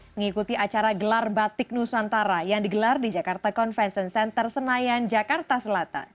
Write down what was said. mengikuti acara gelar batik nusantara yang digelar di jakarta convention center senayan jakarta selatan